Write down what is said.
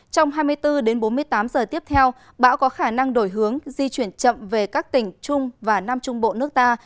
trong hai mươi bốn đến bốn mươi tám giờ tiếp theo bão có khả năng đổi hướng di chuyển chậm về các tỉnh trung và nam trung bộ nước ta